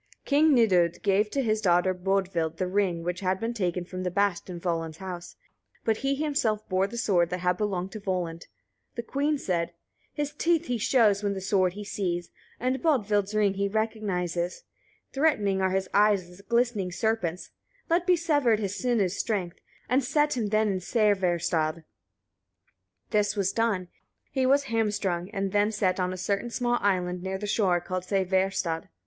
King Nidud gave to his daughter Bodvild the ring which had been taken from the bast in Volund's house; but he himself bore the sword that had belonged to Volund. The queen said: 16. His teeth he shows, when the sword he sees, and Bodvild's ring he recognizes: threatening are his eyes as a glistening serpent's: let be severed his sinews' strength; and set him then in Sævarstad. This was done; he was hamstrung, and then set on a certain small island near the shore, called Sævarstad.